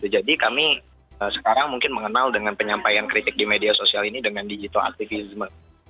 jadi kami sekarang mungkin mengenal dengan penyampaian kritik di media sosial ini dengan digital aktivisme